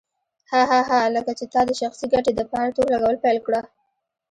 هه هه هه لکه چې تا د شخصي ګټې دپاره تور لګول پيل کړه.